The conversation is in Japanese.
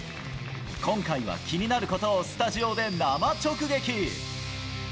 今回は気になることをスタジオで生直撃。